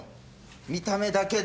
見た目だけで。